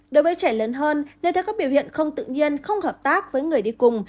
đối với trẻ lớn hơn nếu thấy các biểu hiện không tự nhiên không hợp tác với người đi cùng